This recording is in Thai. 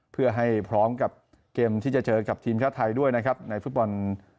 เพื่อให้พร้อมกับเกมที่จะเจอกับทีมชาติไทยด้วยนะครับในฟุตบอล